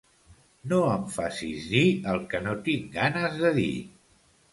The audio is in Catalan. No em facis dir el que no tinc ganes de dir.